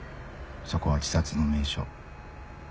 そこは自殺の名所。